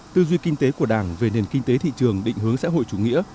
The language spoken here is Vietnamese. tư duy kinh tế của đảng về nền kinh tế thị trường định hướng xã hội chủ nghĩa